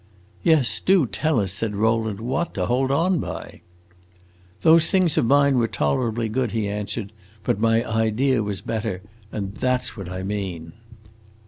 "Yes, do tell us," said Rowland, "what to hold on by!" "Those things of mine were tolerably good," he answered. "But my idea was better and that 's what I mean!"